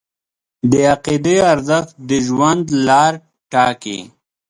د عقیدې ارزښت د ژوند لار ټاکي.